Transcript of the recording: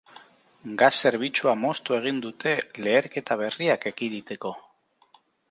Gas zerbitzua moztu egin dute, leherketa berriak ekiditeko.